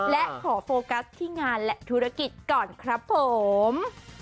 และขอโฟกัสที่งานและธุรกิจก่อนครับผม